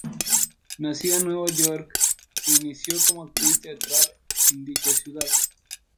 Nacida en Nueva York, se inició como actriz teatral en dicha ciudad.